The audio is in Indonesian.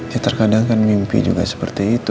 ya terkadang kan mimpi juga seperti itu